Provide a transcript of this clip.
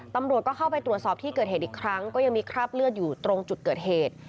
ตำรวจก็เข้าไปตรวจสอบที่เกิดเหตุอีกครั้งก็ยังมีคราบเลือดอยู่ตรงจุดเกิดเหตุ